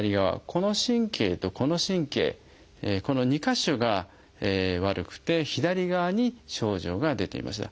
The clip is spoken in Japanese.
この神経とこの神経この２か所が悪くて左側に症状が出ていました。